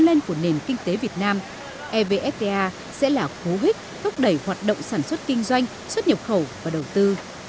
lên của nền kinh tế việt nam evfta sẽ là cố hích thúc đẩy hoạt động sản xuất kinh doanh xuất nhập khẩu và đầu tư